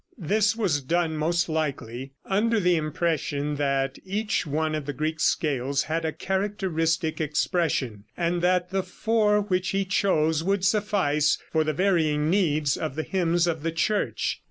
This was done, most likely, under the impression that each one of the Greek scales had a characteristic expression, and that the four which he chose would suffice for the varying needs of the hymns of the Church.